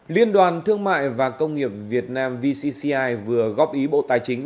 liên đoàn thương mại và công nghiệp việt nam vcci vừa góp ý bộ tài chính